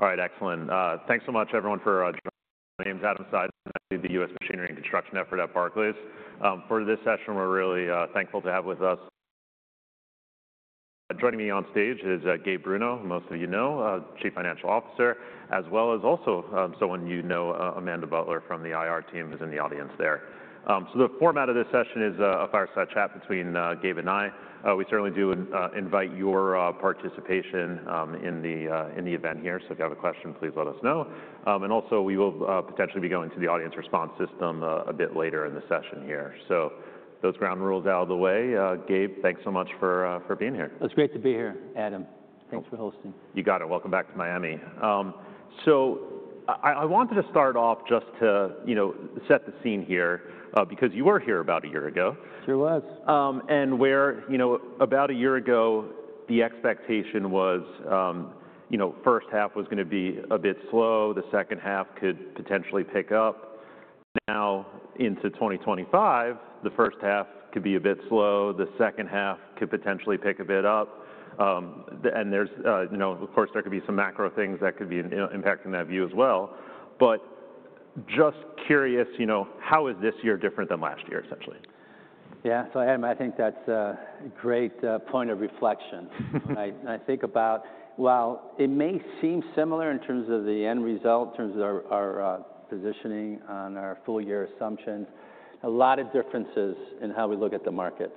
All right, excellent. Thanks so much, everyone, for joining us. My name's Adam Seiden. I lead the U.S. Machinery and Construction effort at Barclays. For this session, we're really thankful to have with us. Joining me on stage is Gabe Bruno, most of you know, Chief Financial Officer, as well as also someone you know, Amanda Butler from the IR team, who's in the audience there. So the format of this session is a fireside chat between Gabe and I. We certainly do invite your participation in the event here. So if you have a question, please let us know. And also, we will potentially be going to the audience response system a bit later in the session here. So those ground rules out of the way. Gabe, thanks so much for being here. It's great to be here, Adam. Thanks for hosting. You got it. Welcome back to Miami. So I wanted to start off just to set the scene here because you were here about a year ago. Sure was. And where about a year ago, the expectation was the first half was going to be a bit slow. The second half could potentially pick up. Now, into 2025, the first half could be a bit slow. The second half could potentially pick a bit up. And of course, there could be some macro things that could be impacting that view as well. But just curious, how is this year different than last year, essentially? Yeah. So Adam, I think that's a great point of reflection. I think about, while it may seem similar in terms of the end result, in terms of our positioning on our full-year assumptions, a lot of differences in how we look at the markets.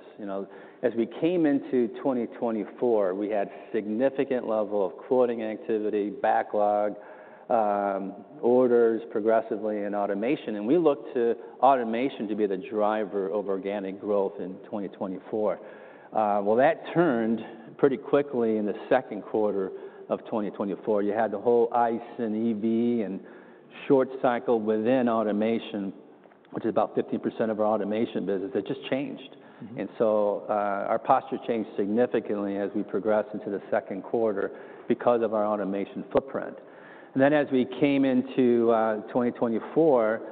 As we came into 2024, we had a significant level of quoting activity, backlog, orders progressively, and automation. And we look to automation to be the driver of organic growth in 2024. Well, that turned pretty quickly in the second quarter of 2024. You had the whole ICE and EV and short cycle within automation, which is about 50% of our automation business. It just changed. And so our posture changed significantly as we progressed into the second quarter because of our automation footprint. And then as we came into 2024,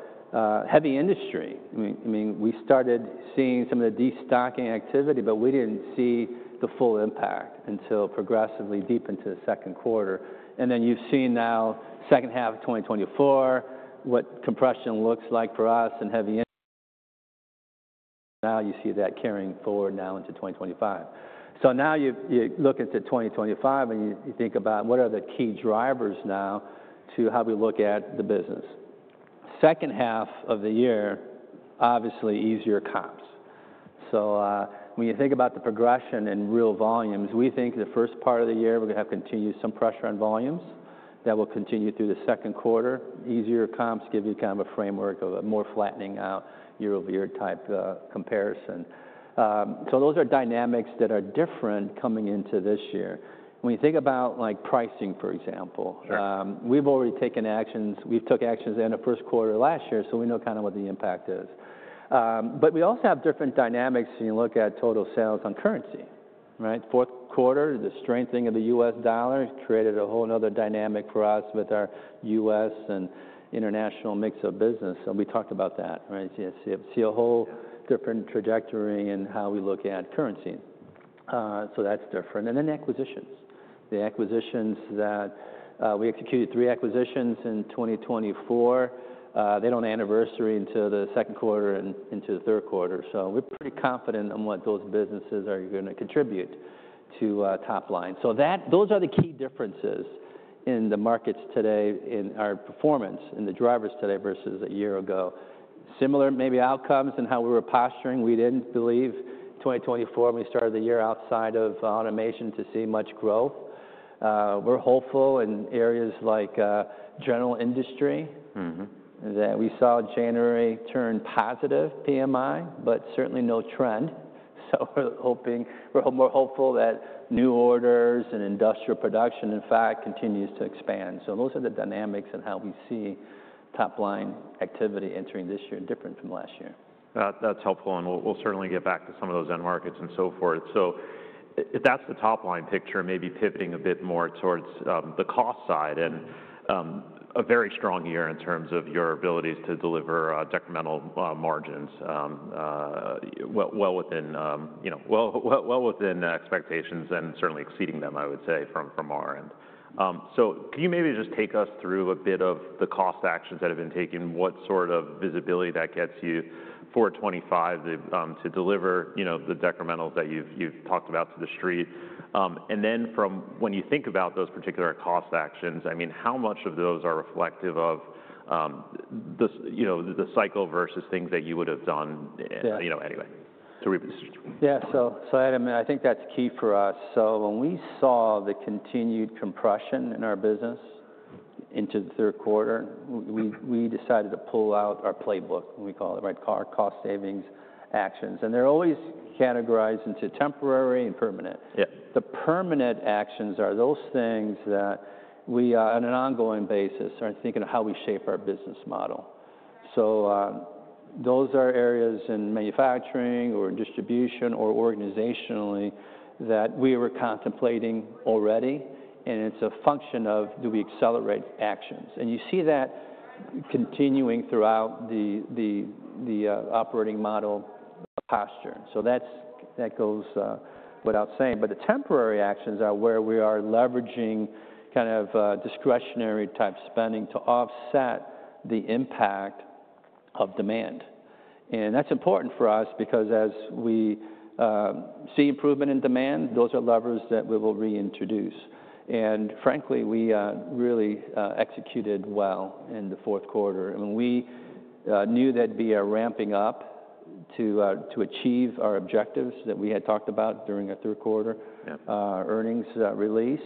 heavy industry. I mean, we started seeing some of the destocking activity, but we didn't see the full impact until progressively deep into the second quarter, and then you've seen now second half of 2024, what compression looks like for us and heavy industry. Now you see that carrying forward now into 2025, so now you look into 2025 and you think about what are the key drivers now to how we look at the business. Second half of the year, obviously easier comps, so when you think about the progression in real volumes, we think the first part of the year we're going to have continued some pressure on volumes that will continue through the second quarter. Easier comps give you kind of a framework of a more flattening out year-over-year type comparison, so those are dynamics that are different coming into this year. When you think about pricing, for example, we've already taken actions. We took actions in the first quarter last year, so we know kind of what the impact is. But we also have different dynamics when you look at total sales on currency. Fourth quarter, the strengthening of the U.S. dollar created a whole another dynamic for us with our U.S. and international mix of business. And we talked about that. We see a whole different trajectory in how we look at currency. So that's different. And then acquisitions. The acquisitions that we executed, three acquisitions in 2024. They don't anniversary into the second quarter and into the third quarter. So we're pretty confident in what those businesses are going to contribute to top line. So those are the key differences in the markets today, in our performance, in the drivers today versus a year ago. Similar, maybe, outcomes in how we were posturing. We didn't believe 2024 when we started the year outside of automation to see much growth. We're hopeful in areas like general industry that we saw in January turn positive PMI, but certainly no trend. So we're hoping we're more hopeful that new orders and industrial production, in fact, continues to expand. So those are the dynamics and how we see top line activity entering this year different from last year. That's helpful. We'll certainly get back to some of those end markets and so forth. If that's the top line picture, maybe pivoting a bit more towards the cost side and a very strong year in terms of your abilities to deliver decremental margins well within expectations and certainly exceeding them, I would say, from our end. Can you maybe just take us through a bit of the cost actions that have been taken, what sort of visibility that gets you for 2025 to deliver the decrementals that you've talked about to the street? Then from when you think about those particular cost actions, I mean, how much of those are reflective of the cycle versus things that you would have done anyway to reposition? Yeah. So Adam, I think that's key for us. So when we saw the continued compression in our business into the third quarter, we decided to pull out our playbook, what we call it, cost savings actions. And they're always categorized into temporary and permanent. The permanent actions are those things that we, on an ongoing basis, are thinking of how we shape our business model. So those are areas in manufacturing or distribution or organizationally that we were contemplating already. And it's a function of do we accelerate actions. And you see that continuing throughout the operating model posture. So that goes without saying. But the temporary actions are where we are leveraging kind of discretionary type spending to offset the impact of demand. And that's important for us because as we see improvement in demand, those are levers that we will reintroduce. Frankly, we really executed well in the fourth quarter. We knew that'd be a ramping up to achieve our objectives that we had talked about during our third quarter earnings release.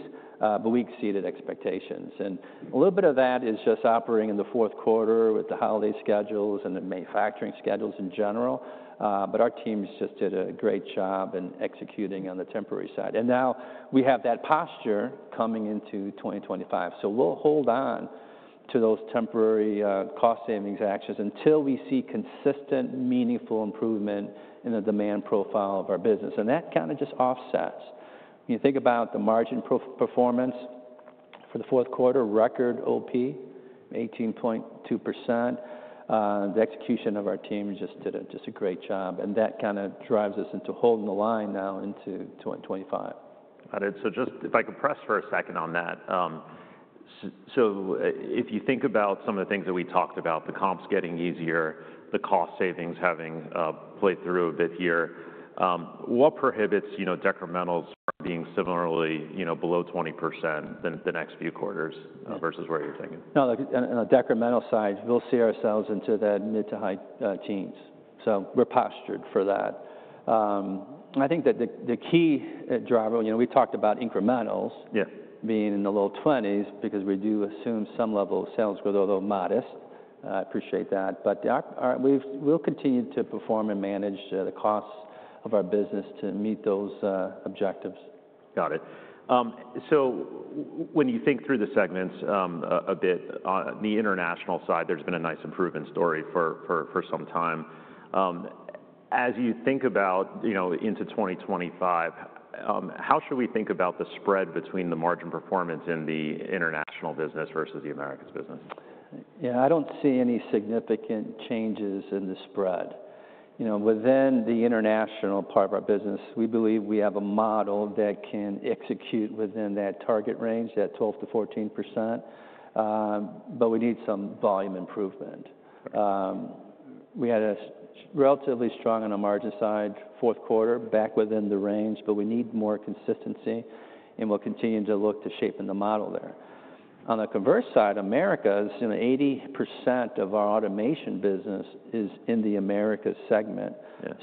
We exceeded expectations. A little bit of that is just operating in the fourth quarter with the holiday schedules and the manufacturing schedules in general. Our teams just did a great job in executing on the temporary side. Now we have that posture coming into 2025. We'll hold on to those temporary cost savings actions until we see consistent, meaningful improvement in the demand profile of our business. That kind of just offsets. You think about the margin performance for the fourth quarter, record OP, 18.2%. The execution of our team just did a great job. That kind of drives us into holding the line now into 2025. Got it. So just if I could press for a second on that. So if you think about some of the things that we talked about, the comps getting easier, the cost savings having played through a bit here, what prohibits decrementals from being similarly below 20% the next few quarters versus where you're thinking? No, on the decremental side, we'll see ourselves into the mid to high teens. So we're postured for that. I think that the key driver, we talked about incrementals being in the low 20s because we do assume some level of sales growth, although modest. I appreciate that. But we'll continue to perform and manage the costs of our business to meet those objectives. Got it. So when you think through the segments a bit, on the international side, there's been a nice improvement story for some time. As you think about into 2025, how should we think about the spread between the margin performance in the international business versus the Americas business? Yeah, I don't see any significant changes in the spread. Within the international part of our business, we believe we have a model that can execute within that target range, that 12%-14%. But we need some volume improvement. We had a relatively strong on the margin side fourth quarter, back within the range, but we need more consistency. And we'll continue to look to shape in the model there. On the converse side, Americas, 80% of our automation business is in the Americas segment.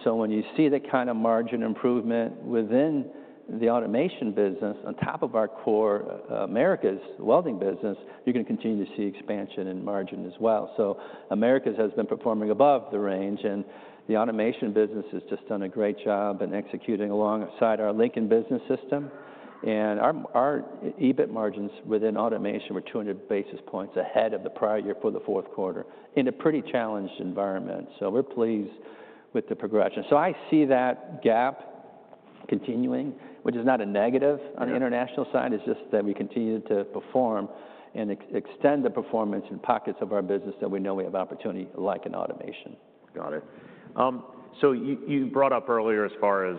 So when you see the kind of margin improvement within the automation business on top of our core Americas welding business, you're going to continue to see expansion in margin as well. So Americas has been performing above the range. And the automation business has just done a great job in executing alongside our Lincoln Business System. Our EBIT margins within automation were 200 basis points ahead of the prior year for the fourth quarter in a pretty challenged environment. We're pleased with the progression. I see that gap continuing, which is not a negative on the international side. It's just that we continue to perform and extend the performance in pockets of our business that we know we have opportunity like in automation. Got it. So you brought up earlier as far as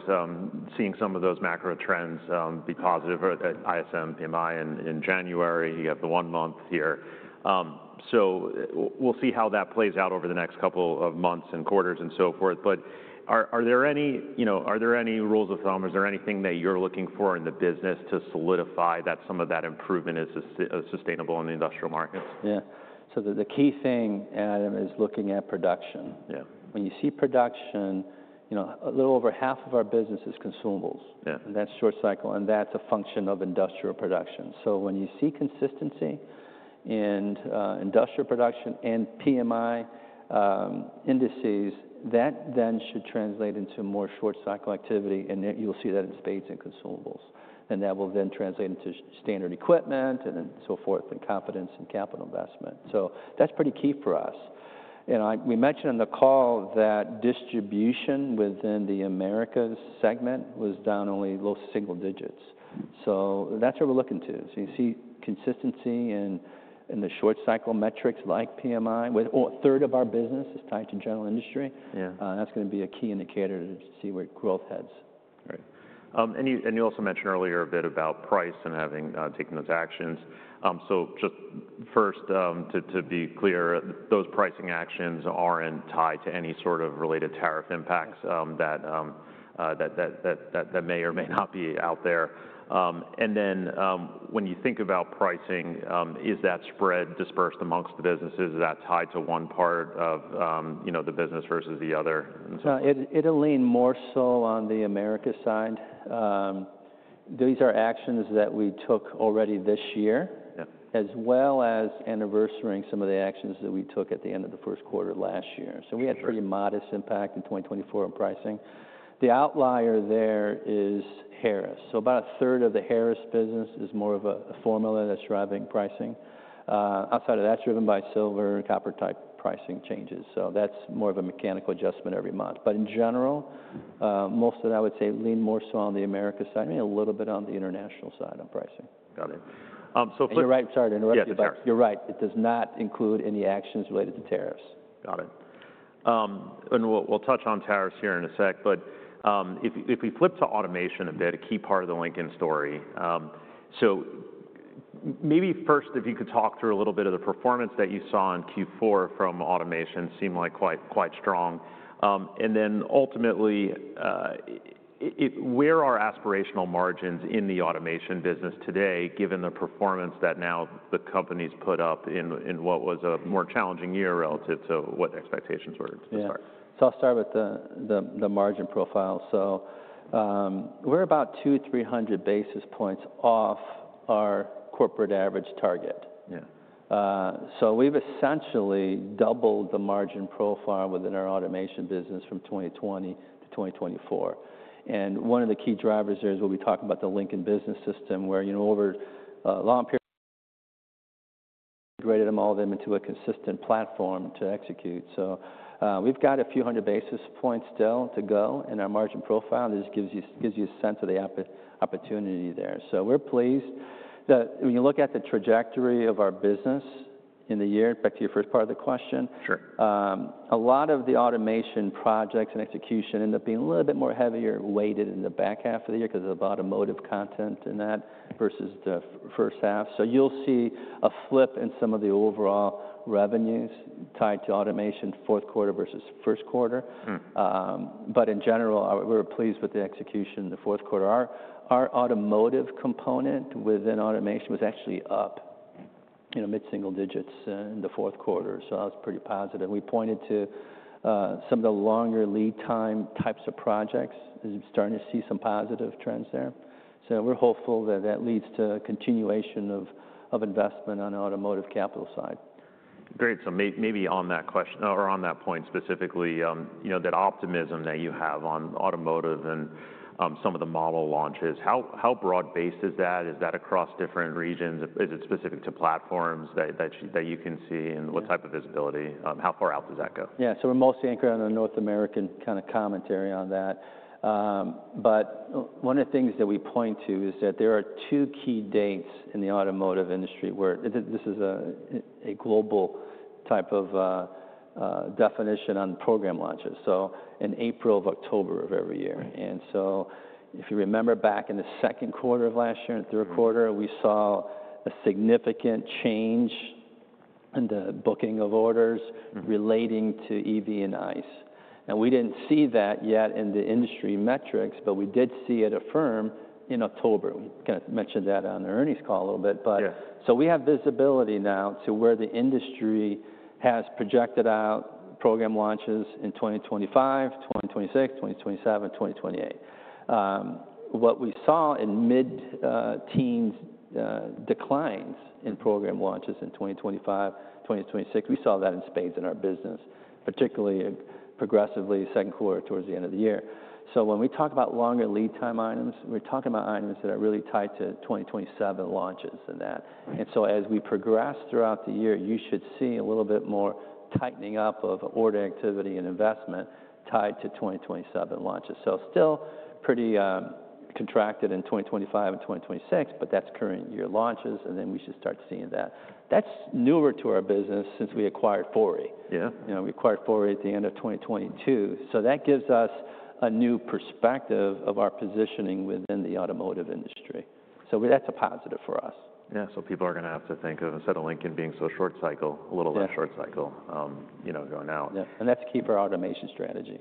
seeing some of those macro trends be positive at ISM PMI in January. You have the one month here. So we'll see how that plays out over the next couple of months and quarters and so forth. But are there any rules of thumb? Is there anything that you're looking for in the business to solidify that some of that improvement is sustainable in the industrial markets? Yeah. So the key thing, Adam, is looking at production. When you see production, a little over half of our business is consumables. And that's short cycle. And that's a function of industrial production. So when you see consistency in industrial production and PMI indices, that then should translate into more short cycle activity. And you'll see that in spades in consumables. And that will then translate into standard equipment and so forth and confidence in capital investment. So that's pretty key for us. And we mentioned on the call that distribution within the Americas segment was down only low single digits. So that's what we're looking to. So you see consistency in the short cycle metrics like PMI, where a third of our business is tied to general industry. That's going to be a key indicator to see where growth heads. Right. You also mentioned earlier a bit about price and having taken those actions. Just first, to be clear, those pricing actions aren't tied to any sort of related tariff impacts that may or may not be out there. When you think about pricing, is that spread dispersed amongst the businesses? Is that tied to one part of the business versus the other? No, it'll lean more so on the Americas side. These are actions that we took already this year, as well as anniversarying some of the actions that we took at the end of the first quarter last year. So we had pretty modest impact in 2024 on pricing. The outlier there is Harris. So about a third of the Harris business is more of a formula that's driving pricing. Outside of that, it's driven by silver and copper type pricing changes. So that's more of a mechanical adjustment every month. But in general, most of that, I would say, lean more so on the Americas side, maybe a little bit on the international side on pricing. Got it. Is it right? Sorry to interrupt you, but you're right. It does not include any actions related to tariffs. Got it. And we'll touch on tariffs here in a sec. But if we flip to automation a bit, a key part of the Lincoln story. So maybe first, if you could talk through a little bit of the performance that you saw in Q4 from automation seemed like quite strong. And then ultimately, where are aspirational margins in the automation business today, given the performance that now the companies put up in what was a more challenging year relative to what expectations were at the start? Yeah. So I'll start with the margin profile. So we're about 200-300 basis points off our corporate average target. So we've essentially doubled the margin profile within our automation business from 2020-2024. And one of the key drivers there is what we talked about, the Lincoln Business System, where over a long period, we integrated them all into a consistent platform to execute. So we've got a few hundred basis points still to go in our margin profile. This gives you a sense of the opportunity there. So we're pleased that when you look at the trajectory of our business in the year, back to your first part of the question, a lot of the automation projects and execution end up being a little bit more heavily weighted in the back half of the year because of automotive content in that versus the first half. So you'll see a flip in some of the overall revenues tied to automation fourth quarter versus first quarter. But in general, we're pleased with the execution in the fourth quarter. Our automotive component within automation was actually up mid-single digits in the fourth quarter. So that was pretty positive. We pointed to some of the longer lead time types of projects as we're starting to see some positive trends there. So we're hopeful that that leads to a continuation of investment on the automotive capital side. Great. So maybe on that question or on that point specifically, that optimism that you have on automotive and some of the model launches, how broad-based is that? Is that across different regions? Is it specific to platforms that you can see? And what type of visibility? How far out does that go? Yeah. So we're mostly anchored on the North America kind of commentary on that. But one of the things that we point to is that there are two key dates in the automotive industry where this is a global type of definition on program launches, so in April and October of every year. And so if you remember back in the second quarter of last year and third quarter, we saw a significant change in the booking of orders relating to EV and ICE. And we didn't see that yet in the industry metrics, but we did see it confirm in October. We kind of mentioned that on the earnings call a little bit. But so we have visibility now to where the industry has projected out program launches in 2025, 2026, 2027, 2028. What we saw in mid-teens declines in program launches in 2025, 2026, we saw that in spades in our business, particularly progressively second quarter towards the end of the year, so when we talk about longer lead time items, we're talking about items that are really tied to 2027 launches and that. And so as we progress throughout the year, you should see a little bit more tightening up of order activity and investment tied to 2027 launches. So still pretty contracted in 2025 and 2026, but that's current year launches, and then we should start seeing that. That's newer to our business since we acquired Fori. We acquired Fori at the end of 2022. So that gives us a new perspective of our positioning within the automotive industry. So that's a positive for us. Yeah. So people are going to have to think of, instead of Lincoln being so short cycle, a little less short cycle going out. Yeah, and that's key for our automation strategy.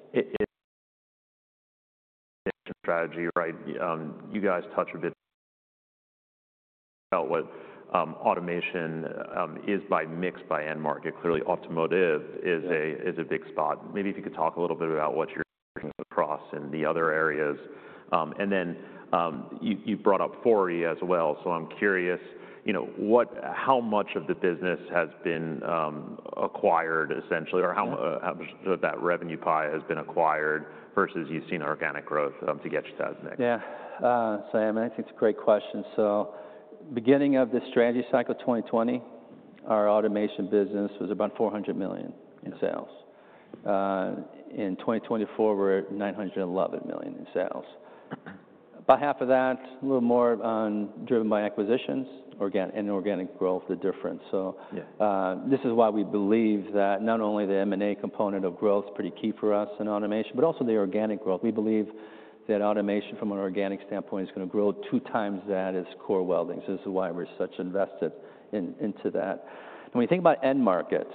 Strategy, right? You guys touch a bit about what automation is by mix by end market. Clearly, automotive is a big spot. Maybe if you could talk a little bit about what you're working across in the other areas. And then you brought up Fori as well. So I'm curious, how much of the business has been acquired essentially, or how much of that revenue pie has been acquired versus you've seen organic growth to get you to that next? Yeah. So I mean, I think it's a great question. So beginning of the strategy cycle 2020, our automation business was about $400 million in sales. In 2024, we're at $911 million in sales. About half of that, a little more driven by acquisitions and organic growth, the difference. So this is why we believe that not only the M&A component of growth is pretty key for us in automation, but also the organic growth. We believe that automation from an organic standpoint is going to grow two times that as core welding. So this is why we're so invested into that. When we think about end markets,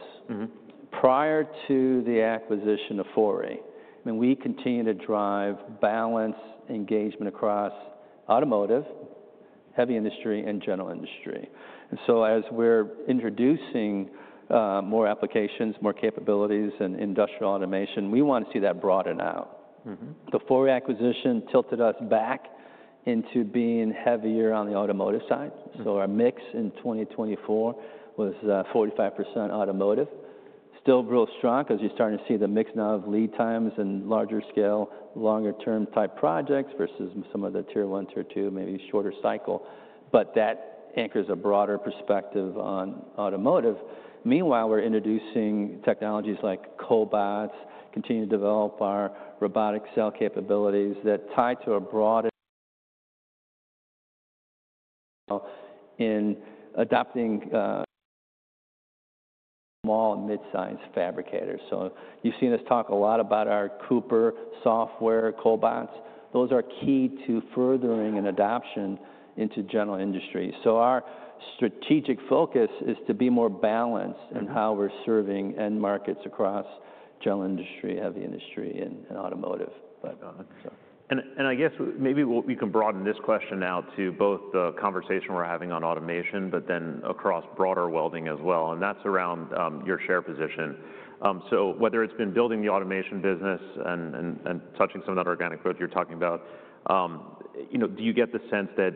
prior to the acquisition of Fori, I mean, we continue to drive balanced engagement across automotive, heavy industry, and general industry. And so as we're introducing more applications, more capabilities in industrial automation, we want to see that broaden out. The Fori acquisition tilted us back into being heavier on the automotive side. So our mix in 2024 was 45% automotive. Still real strong because you're starting to see the mix now of lead times and larger scale, longer term type projects versus some of the Tier 1, Tier 2, maybe shorter cycle. But that anchors a broader perspective on automotive. Meanwhile, we're introducing technologies like Cobots, continuing to develop our robotic cell capabilities that tie to a broader adoption in small and mid-sized fabricators. So you've seen us talk a lot about our Cooper software, Cobots. Those are key to furthering an adoption into general industry. So our strategic focus is to be more balanced in how we're serving end markets across general industry, heavy industry, and automotive. And I guess maybe we can broaden this question now to both the conversation we're having on automation, but then across broader welding as well. And that's around your share position. So whether it's been building the automation business and touching some of that organic growth you're talking about, do you get the sense that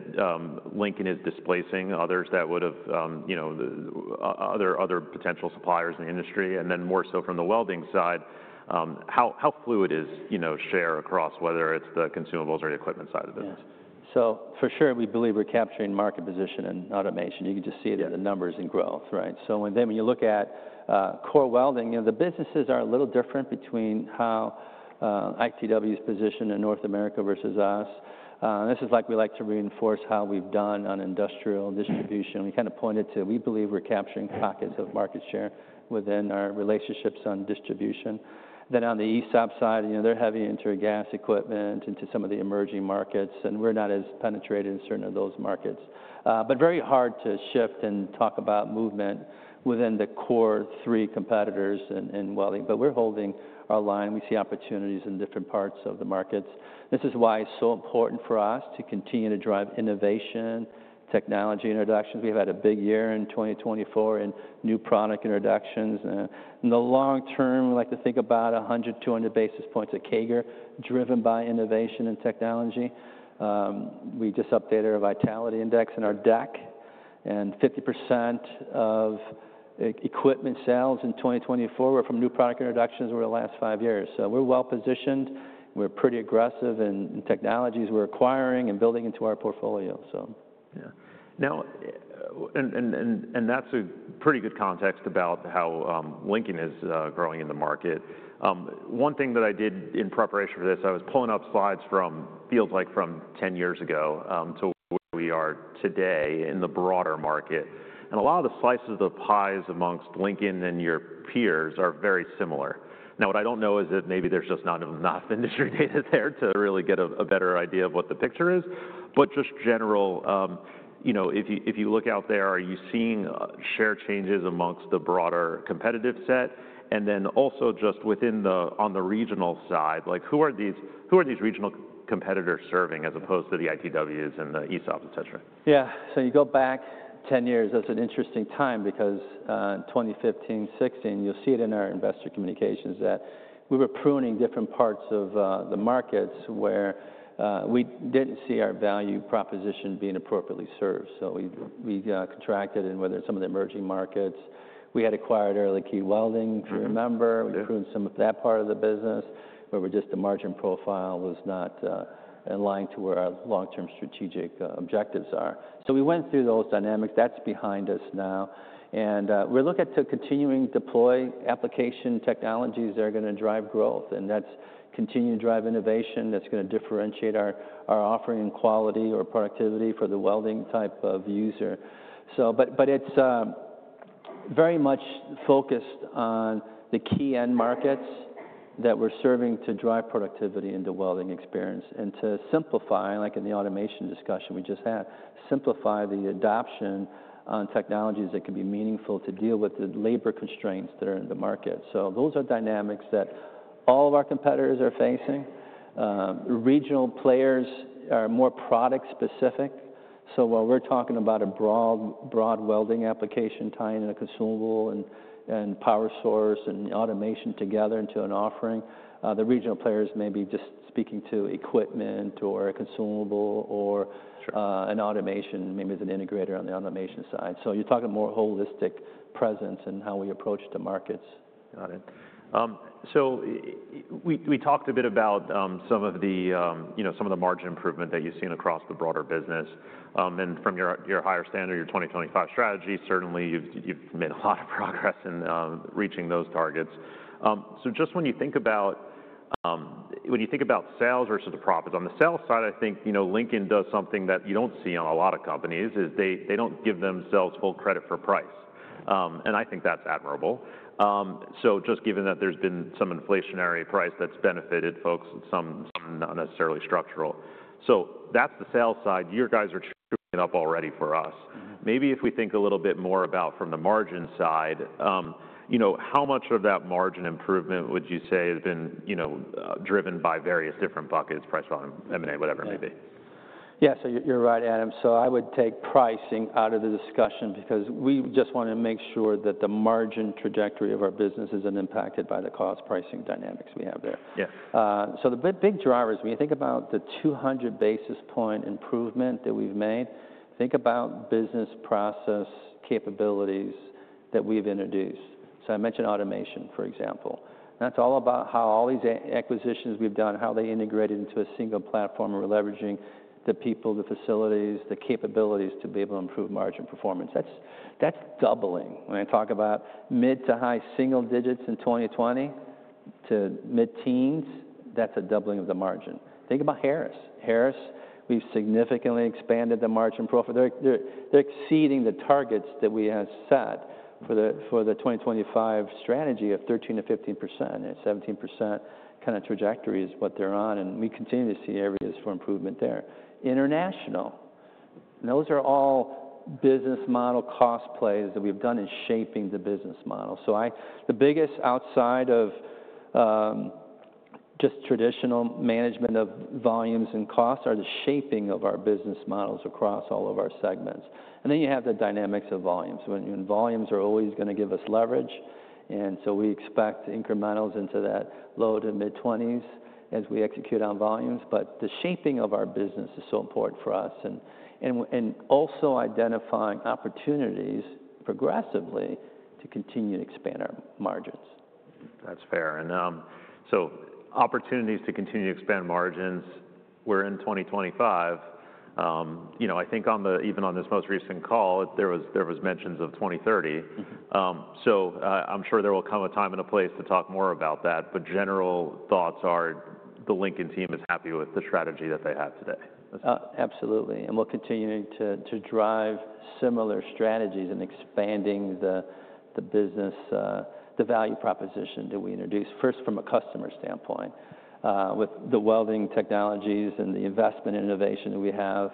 Lincoln is displacing others that would have other potential suppliers in the industry? And then more so from the welding side, how fluid is share across whether it's the consumables or the equipment side of the business? Yeah, so for sure, we believe we're capturing market position in automation. You can just see it in the numbers and growth, right, so when you look at core welding, the businesses are a little different between how ITW's position in North America versus us. This is like we like to reinforce how we've done on industrial distribution. We kind of pointed to we believe we're capturing pockets of market share within our relationships on distribution. Then on the ESAB side, they're heavy into gas equipment and to some of the emerging markets, and we're not as penetrated in certain of those markets, but very hard to shift and talk about movement within the core three competitors in welding, but we're holding our line. We see opportunities in different parts of the markets. This is why it's so important for us to continue to drive innovation, technology introductions. We've had a big year in 2024 in new product introductions. In the long-term, we like to think about 100-200 basis points at CAGR driven by innovation and technology. We just updated our Vitality Index in our deck, and 50% of equipment sales in 2024 were from new product introductions over the last five years, so we're well positioned. We're pretty aggressive in technologies we're acquiring and building into our portfolio. Yeah. And that's a pretty good context about how Lincoln is growing in the market. One thing that I did in preparation for this, I was pulling up slides from fields like from 10 years ago to where we are today in the broader market. And a lot of the slices of the pies amongst Lincoln and your peers are very similar. Now, what I don't know is that maybe there's just not enough industry data there to really get a better idea of what the picture is. But just general, if you look out there, are you seeing share changes amongst the broader competitive set? And then also just within the regional side, who are these regional competitors serving as opposed to the ITWs and the ESABs, etc.? Yeah. So you go back 10 years. That's an interesting time because in 2015, 2016, you'll see it in our investor communications that we were pruning different parts of the markets where we didn't see our value proposition being appropriately served. So we contracted in whether some of the emerging markets. We had acquired early key welding, if you remember. We pruned some of that part of the business where just the margin profile was not in line to where our long-term strategic objectives are. So we went through those dynamics. That's behind us now. And we're looking to continue to deploy application technologies that are going to drive growth. And that's continue to drive innovation that's going to differentiate our offering in quality or productivity for the welding type of user. But it's very much focused on the key end markets that we're serving to drive productivity in the welding experience. And to simplify, like in the automation discussion we just had, simplify the adoption on technologies that can be meaningful to deal with the labor constraints that are in the market. So those are dynamics that all of our competitors are facing. Regional players are more product specific. So while we're talking about a broad welding application tying in a consumable and power source and automation together into an offering, the regional players may be just speaking to equipment or a consumable or an automation, maybe as an integrator on the automation side. So you're talking more holistic presence and how we approach the markets. Got it. So we talked a bit about some of the margin improvement that you've seen across the broader business. And from your higher standard, your 2025 strategy, certainly you've made a lot of progress in reaching those targets. So just when you think about when you think about sales versus the profits, on the sales side, I think Lincoln does something that you don't see on a lot of companies is they don't give themselves full credit for price. And I think that's admirable. So just given that there's been some inflationary price that's benefited folks, some not necessarily structural. So that's the sales side. Your guys are trickling it up already for us. Maybe if we think a little bit more about from the margin side, how much of that margin improvement would you say has been driven by various different buckets, price, M&A, whatever it may be? Yeah. So you're right, Adam. So I would take pricing out of the discussion because we just want to make sure that the margin trajectory of our business isn't impacted by the cost pricing dynamics we have there. So the big drivers, when you think about the 200 basis point improvement that we've made, think about business process capabilities that we've introduced. So I mentioned automation, for example. And that's all about how all these acquisitions we've done, how they integrated into a single platform. We're leveraging the people, the facilities, the capabilities to be able to improve margin performance. That's doubling. When I talk about mid to high single digits in 2020 to mid-teens, that's a doubling of the margin. Think about Harris. Harris, we've significantly expanded the margin profit. They're exceeding the targets that we have set for the 2025 strategy of 13%-15%. 17% kind of trajectory is what they're on. We continue to see areas for improvement there. International, those are all business model cost plays that we've done in shaping the business model. The biggest outside of just traditional management of volumes and costs are the shaping of our business models across all of our segments. You have the dynamics of volumes. Volumes are always going to give us leverage. We expect incrementals into that low-to-mid-20s as we execute on volumes. The shaping of our business is so important for us and also identifying opportunities progressively to continue to expand our margins. That's fair, and so opportunities to continue to expand margins. We're in 2025. I think even on this most recent call, there was mentions of 2030, so I'm sure there will come a time and a place to talk more about that, but general thoughts are the Lincoln team is happy with the strategy that they have today. Absolutely. And we're continuing to drive similar strategies and expanding the business, the value proposition that we introduced first from a customer standpoint with the welding technologies and the investment innovation that we have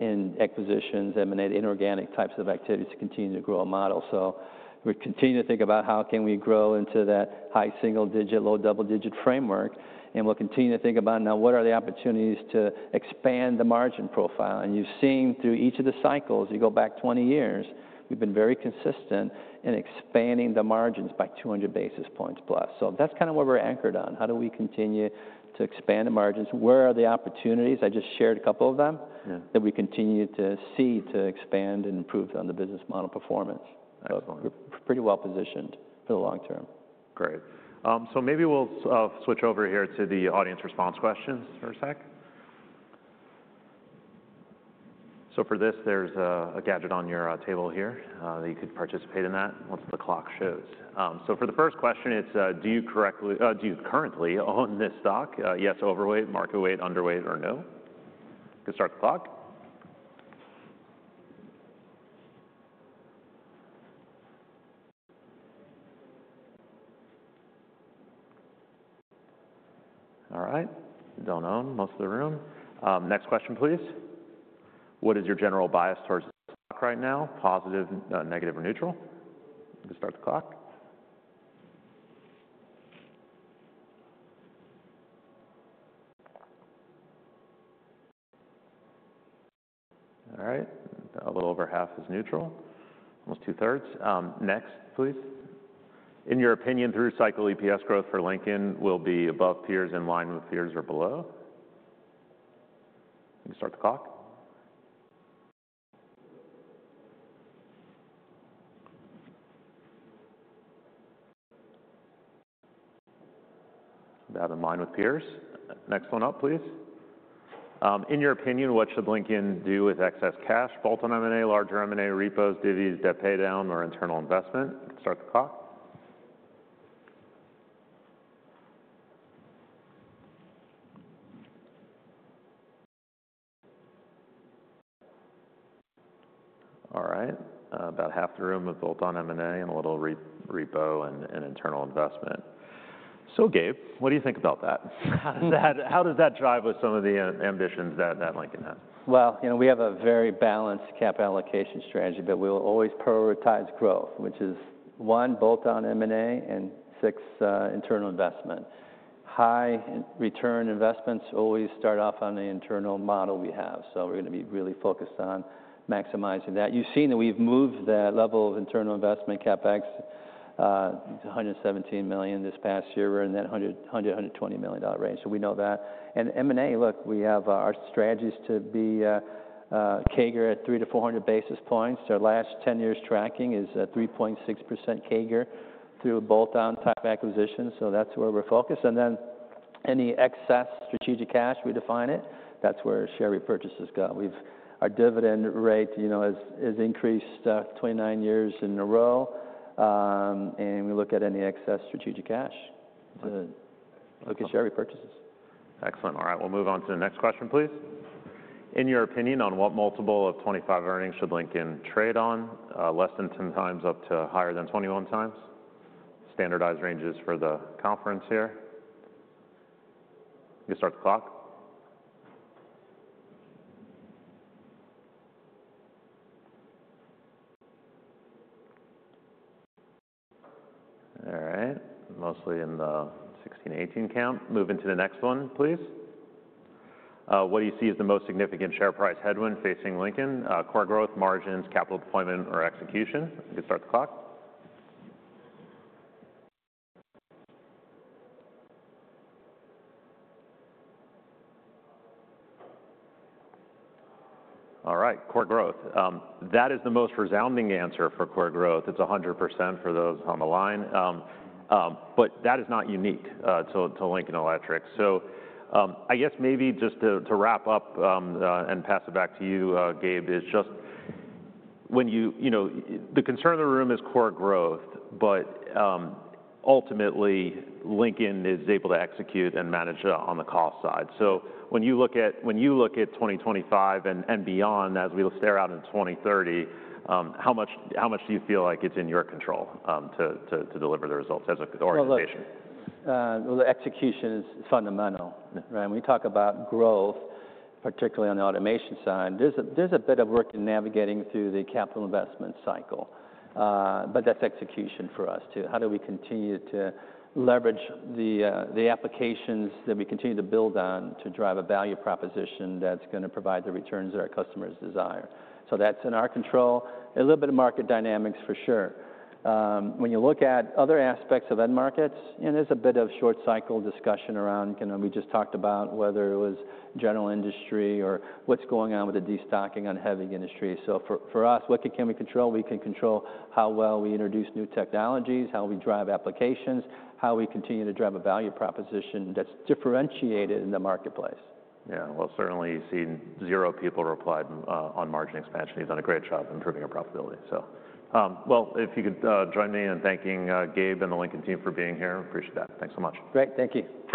in acquisitions, M&A, inorganic types of activities to continue to grow a model. So we continue to think about how can we grow into that high single digit, low double digit framework. And we'll continue to think about now what are the opportunities to expand the margin profile. And you've seen through each of the cycles. You go back 20 years. We've been very consistent in expanding the margins by 200 basis points plus. So that's kind of where we're anchored on. How do we continue to expand the margins? Where are the opportunities? I just shared a couple of them that we continue to see to expand and improve on the business model performance. We're pretty well positioned for the long-term. Great. So maybe we'll switch over here to the audience response questions for a sec. So for this, there's a gadget on your table here that you could participate in that once the clock shows. So for the first question, it's, do you currently own this stock? Yes, overweight, market weight, underweight, or no? You can start the clock. All right. Don't own most of the room. Next question, please. What is your general bias towards the stock right now? Positive, negative, or neutral? You can start the clock. All right. A little over half is neutral, almost two-thirds. Next, please. In your opinion, through cycle EPS growth for Lincoln, will be above peers in line with peers or below? You can start the clock. About in line with peers. Next one up, please. In your opinion, what should Lincoln do with excess cash, bolt-on M&A, larger M&A, repos, divvies, debt paydown, or internal investment? You can start the clock. All right. About half the room with bolt-on M&A and a little repo and internal investment. So, Gabe, what do you think about that? How does that drive with some of the ambitions that Lincoln has? We have a very balanced capital allocation strategy, but we will always prioritize growth, which is one, bolt-on M&A, and six, internal investment. High return investments always start off on the internal model we have. So we're going to be really focused on maximizing that. You've seen that we've moved that level of internal investment, CapEx, to $117 million this past year. We're in that $100-$120 million range. So we know that. And M&A, look, we have our strategies to be CAGR at 300-400 basis points. Our last 10 years tracking is 3.6% CAGR through bolt-on type acquisitions. So that's where we're focused. And then any excess strategic cash, we define it. That's where share repurchases go. Our dividend rate has increased 29 years in a row. And we look at any excess strategic cash to look at share repurchases. Excellent. All right. We'll move on to the next question, please. In your opinion, on what multiple of 2025 earnings should Lincoln trade on, less than 10 times up to higher than 21 times? Standardized ranges for the conference here. You can start the clock. All right. Mostly in the 16-18 count. Move into the next one, please. What do you see as the most significant share price headwind facing Lincoln? Core growth, margins, capital deployment, or execution? You can start the clock. All right. Core growth. That is the most resounding answer for core growth. It's 100% for those on the line. But that is not unique to Lincoln Electric. So, I guess maybe just to wrap up and pass it back to you, Gabe, is just the concern of the room is core growth, but ultimately Lincoln is able to execute and manage on the cost side, so when you look at 2025 and beyond, as we stare out into 2030, how much do you feel like it's in your control to deliver the results as an organization? The execution is fundamental. When we talk about growth, particularly on the automation side, there's a bit of work in navigating through the capital investment cycle. But that's execution for us too. How do we continue to leverage the applications that we continue to build on to drive a value proposition that's going to provide the returns that our customers desire? So that's in our control. A little bit of market dynamics for sure. When you look at other aspects of end markets, there's a bit of short cycle discussion around we just talked about whether it was general industry or what's going on with the destocking on heavy industry. So for us, what can we control? We can control how well we introduce new technologies, how we drive applications, how we continue to drive a value proposition that's differentiated in the marketplace. Yeah, well, certainly you see, zero people replied on margin expansion. He's done a great job improving our profitability, so well, if you could join me in thanking Gabe and the Lincoln team for being here. Appreciate that. Thanks so much. Great. Thank you.